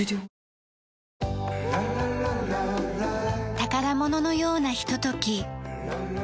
宝物のようなひととき。